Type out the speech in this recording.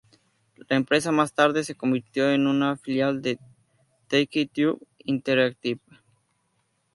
La empresa más tarde se convirtió en una filial de Take-Two Interactive.